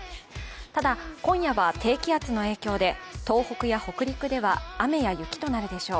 ただ、今夜は低気圧の影響で東北や北陸では雨や雪となるでしょう。